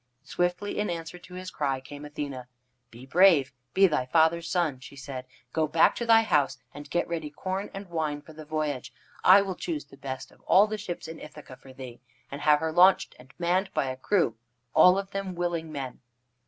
Swiftly, in answer to his cry, came Athene. "Be brave. Be thy father's son," she said. "Go back to thy house and get ready corn and wine for the voyage. I will choose the best of all the ships in Ithaca for thee, and have her launched, and manned by a crew, all of them willing men."